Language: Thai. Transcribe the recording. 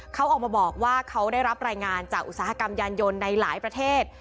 เขาออกมาบอกว่าเขาได้รับรายงานจากอุตสาหกรรมยานยนต์ในหลายประเทศ